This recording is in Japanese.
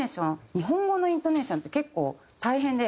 日本語のイントネーションって結構大変で。